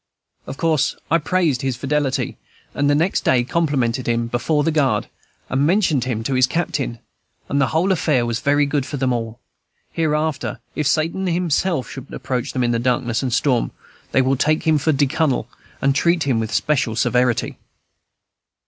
Of course I praised his fidelity, and the next day complimented him before the guard, and mentioned him to his captain; and the whole affair was very good for them all. Hereafter, if Satan himself should approach them in darkness and storm, they will take him for "de Cunnel," and treat him with special severity.